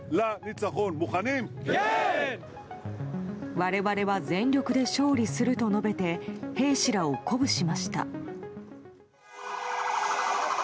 我々は全力で勝利すると述べて兵士らを鼓舞しました。